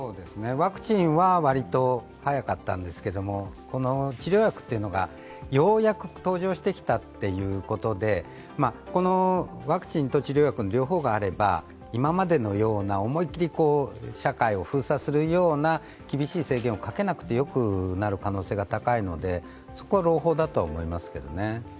ワクチンは割と早かったんですけども、この治療薬というのが、ようやく登場してきたということでこのワクチンと治療薬の両方があれば、今までのような思い切り社会を封鎖するような厳しい制限をかけなくてもよくなると思いますので、可能性が高いので、そこは朗報だと思いますけどね。